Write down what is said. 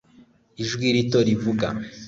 ijwi rito rivuga